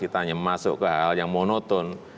kita hanya masuk ke hal yang monoton